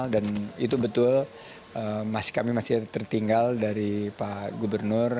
dan itu betul kami masih tertinggal dari pak gubernur